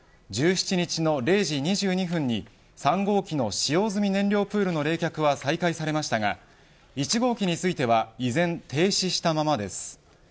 １７日の０時２２分に３号機の使用済み燃料プールの冷却は再開されましたが１号機は依然停止したままです。